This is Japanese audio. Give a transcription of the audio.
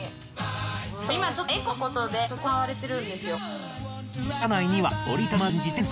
今ちょっとエコのことで行われてるんですよ。